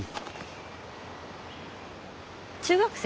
中学生？